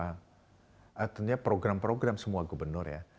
artinya program program semua gubernur ya